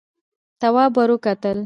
تواب ور وکتل.